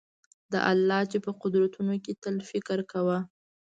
د الله چي په قدرتونو کي تل فکر کوه